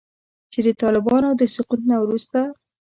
چې د طالبانو د سقوط نه وروسته